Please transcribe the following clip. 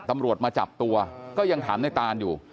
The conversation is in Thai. ตำรวจมาจับตัวก็ยังถามในตานอยู่